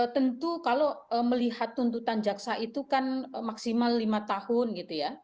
tentu kalau melihat tuntutan jaksa itu kan maksimal lima tahun gitu ya